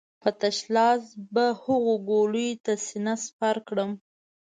په تش لاس به هغو ګولیو ته سينه سپر کړم.